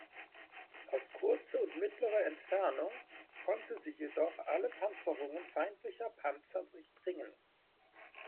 Auf kurze und mittlere Entfernung konnte sie jedoch alle Panzerungen feindlicher Panzer durchdringen.